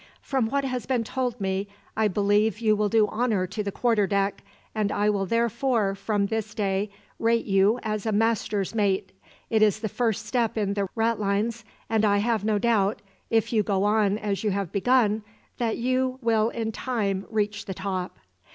From what has been told me, I believe you will do honour to the quarter deck, and I will therefore from this day rate you as a master's mate. It is the first step in the ratlines, and I have no doubt, if you go on as you have begun, that you will in time reach the top."